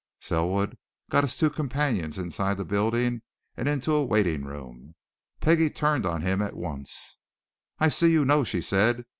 Selwood got his two companions inside the building and into a waiting room. Peggie turned on him at once. "I see you know," she said.